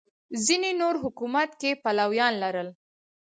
ځینې نور حکومت کې پلویان لرل